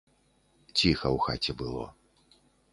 Ціха ў хаце было.